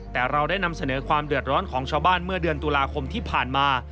แต่เราได้นำเสนอความเดือดร้อนของชาวบ้านเมื่อเดือนตุลาคมที่ผ่านมา